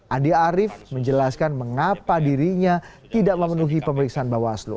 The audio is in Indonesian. andi arief menjelaskan mengapa dirinya tidak memenuhi pemeriksaan bawaslu